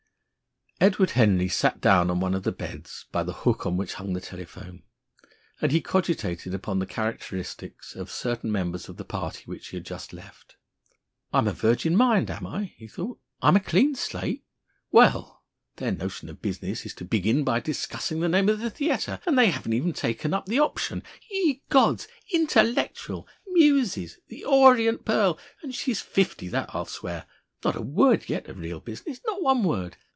Edward Henry sat down on one of the beds by the hook on which hung the telephone. And he cogitated upon the characteristics of certain members of the party which he had just left. "I'm a 'virgin mind,' am I?" he thought. "I'm a 'clean slate'? Well! ... Their notion of business is to begin by discussing the name of the theatre! And they haven't even taken up the option! Ye gods! 'Intellectual!' 'Muses!' 'The Orient Pearl.' And she's fifty that I swear! Not a word yet of real business not one word!